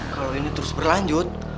kalau ini terus berlanjut